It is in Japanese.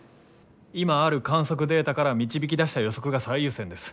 今ある観測データから導き出した予測が最優先です。